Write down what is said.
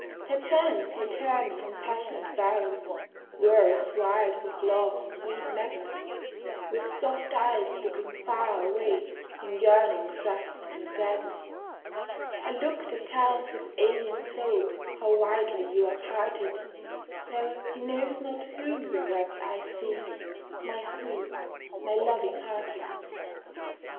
Perchance you turn from passionate vows, words wild with love's sweet madness, With soft eyes looking far sway, in yearning trust and sadness; A look that tells his alien soul how widely you are parted, Though he knows not whom your rapt eyes seek, my sweet, my loving hearted.